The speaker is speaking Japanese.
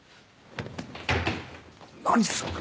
何すんだ！